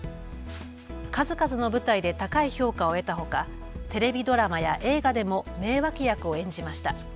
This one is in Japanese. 数々の舞台で高い評価を得たほかテレビドラマや映画でも名脇役を演じました。